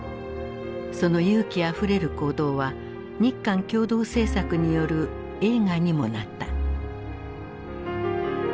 その勇気あふれる行動は日韓共同製作による映画にもなった。